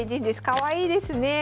かわいいですね。